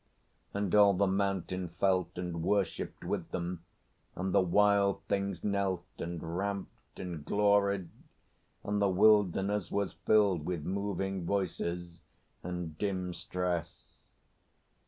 And all the mountain felt, And worshipped with them; and the wild things knelt And ramped and gloried, and the wilderness Was filled with moving voices and dim stress.